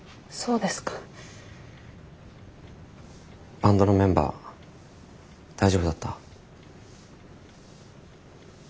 バンドのメンバー大丈夫だった？